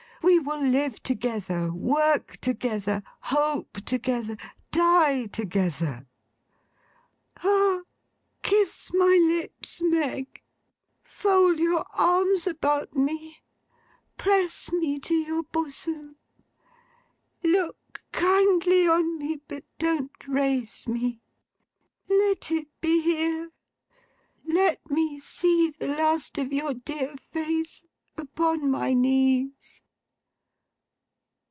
We will live together, work together, hope together, die together!' 'Ah! Kiss my lips, Meg; fold your arms about me; press me to your bosom; look kindly on me; but don't raise me. Let it be here. Let me see the last of your dear face upon my knees!